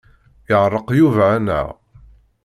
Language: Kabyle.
Yeɛreq Yuba anaɣ?